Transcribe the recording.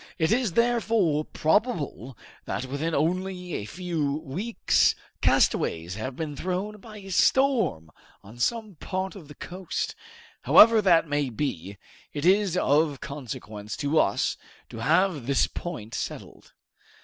It is therefore, probable that within only a few weeks castaways have been thrown by a storm on some part of the coast. However that may be, it is of consequence to us to have this point settled."